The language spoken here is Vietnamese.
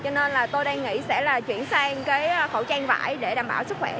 cho nên là tôi đang nghĩ sẽ là chuyển sang cái khẩu trang vải để đảm bảo sức khỏe